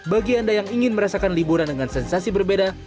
bagi anda yang ingin merasakan liburan dengan sensasi berbeda